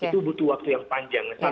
itu butuh waktu yang panjang